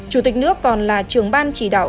chủ tịch nước còn là trường ban chỉ đạo